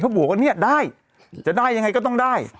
บอกว่าเนี่ยได้จะได้ยังไงก็ต้องได้